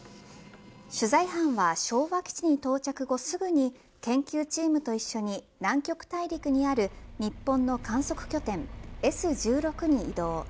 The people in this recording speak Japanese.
取材班は昭和基地に到着後すぐに研究チームと一緒に南極大陸にある日本の観測拠点Ｓ１６に移動。